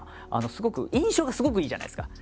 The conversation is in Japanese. すごく印象がすごくいいじゃないですか。